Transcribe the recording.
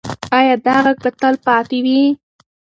ایا دا غږ به تل پاتې وي؟